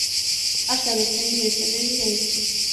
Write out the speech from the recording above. أرسل سامي رسالة لليلى.